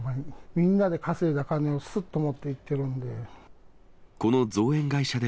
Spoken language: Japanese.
みんなで稼いだ金をすっと持っていってるので。